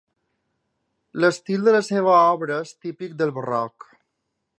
L'estil de la seva obra és típic del barroc.